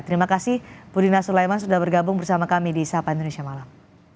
terima kasih budina sulaiman sudah bergabung bersama kami di sapa indonesia malam